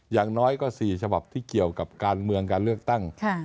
อย่างน้อยก็๔ฉบับที่เกี่ยวกับการเมืองการเลือกตั้ง